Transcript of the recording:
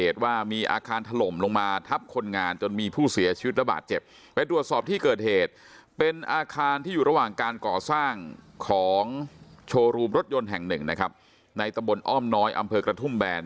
ที่อยู่ระหว่างการก่อสร้างของโชว์รูมรถยนต์แห่งหนึ่งนะครับในตะบลอ้อมน้อยอำเภอกระทุ่มแบรนด์